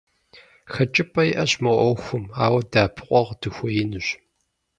Хэкӏыпӏэ иӏэщ мы ӏуэхум, ауэ дэӏэпыкъуэгъу дыхуеинущ.